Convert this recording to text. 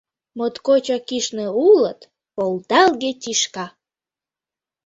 — Моткочак кӱшнӧ улыт, полдалге тӱшка!